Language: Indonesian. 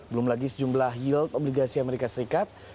belum lagi sejumlah yield obligasi amerika serikat